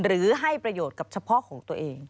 หรือให้ประโยชน์กับเฉพาะของตัวเอง